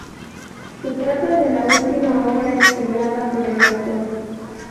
Se trata de la última obra estrenada por el autor.